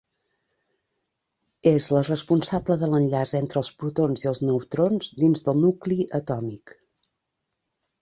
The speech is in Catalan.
És la responsable de l'enllaç entre els protons i els neutrons dins del nucli atòmic.